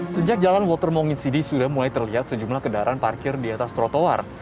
sejak jalan walter mawinsidi sudah mulai terlihat sejumlah kendaraan parkir di atas trotoar